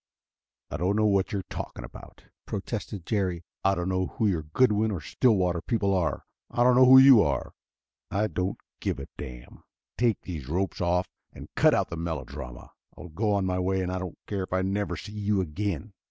"I don't know what you are talking about," protested Jerry. "I don't know who your Goodwin or Stillwater people are. I don't know who you are I don't give a damn. Take these ropes off and cut out the melodrama. I'll go on my way, and I don't care if I never see you again."